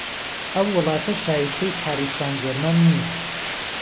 ئهو وڵاته شایستهی پاریس سانجێرمان نییه